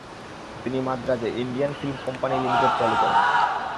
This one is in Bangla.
তিনি মাদ্রাজে "ইন্ডিয়ান ফিল্ম কোম্পানি লিমিটেড" চালু করেন।